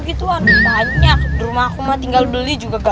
kalian tumpah dengan nora